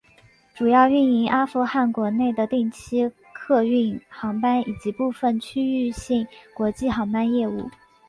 主要运营阿富汗国内的定期客运航班以及部分区域性国际航班业务。